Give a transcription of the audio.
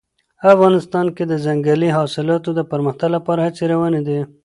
افغانستان کې د ځنګلي حاصلاتو د پرمختګ لپاره هڅې روانې دي.